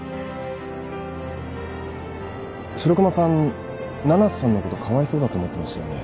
白熊さん七瀬さんのことかわいそうだと思ってましたよね。